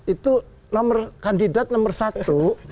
itu nomor kandidat nomor satu